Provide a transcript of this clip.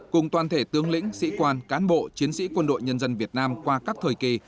cùng toàn thể tướng lĩnh sĩ quan cán bộ chiến sĩ quân đội nhân dân việt nam qua các thời kỳ